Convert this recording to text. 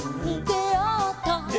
「であった」